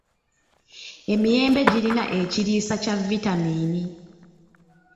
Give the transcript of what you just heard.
Emiyembe girina ekiriisa kya vitamiini.